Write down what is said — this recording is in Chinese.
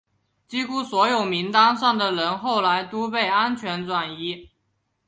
几乎所有名单上的人后来都被安全转移。